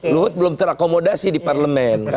luhut belum terakomodasi di parlemen